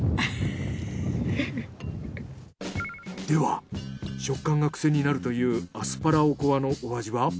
では食感がクセになるというアスパラおこわのお味は？